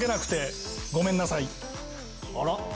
あら？